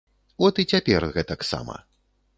От і цяпер гэтаксама.